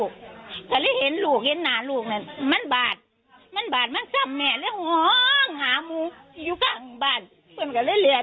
มิยุคะมิยุคะร้องปัญหานี่